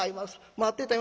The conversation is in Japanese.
待ってたよ。